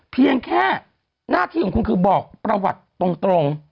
เพียงแค่หน้าที่ของคุณคือบอกประวัติตรง